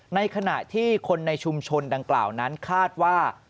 ในขณะที่คนในชุมชนดังกล่าวนั้นคาดว่า